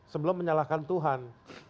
sebelum menyalahkan tuhan